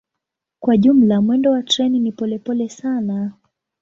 Kwa jumla mwendo wa treni ni polepole sana.